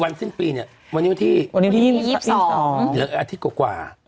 วันนี้วันที่๒๒หรืออาทิตย์กว่า